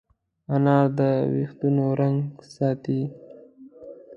انار د وېښتانو رنګ ساتي.